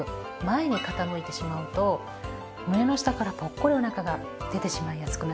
前に傾いてしまうと胸の下からポッコリお腹が出てしまいやすくなります。